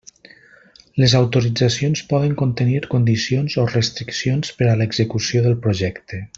Les autoritzacions poden contenir condicions o restriccions per a l'execució del projecte.